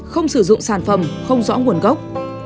không sử dụng sản phẩm không rõ nguồn gốc